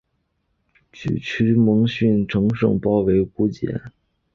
沮渠蒙逊乘胜包围姑臧。